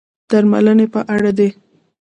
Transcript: درملنې په اړه دي.